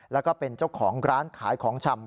แล้วก็เป็นเจ้าของร้านขายของชำ